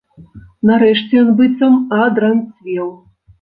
Нарэшце ён быццам адранцвеў.